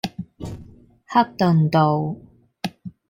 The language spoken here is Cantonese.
克頓道